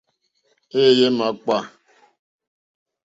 Éèyé é màkpá.